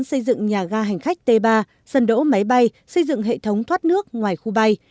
xây dựng nhà ga hành khách t ba sân đỗ máy bay xây dựng hệ thống thoát nước ngoài khu bay